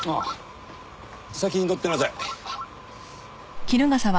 先に乗ってなさい。